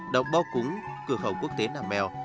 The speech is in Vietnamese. động bò cúng cửa khẩu quốc tế nam mèo